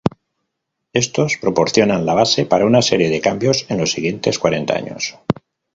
Estos proporcionaron la base para una serie de cambios en los siguientes cuarenta años.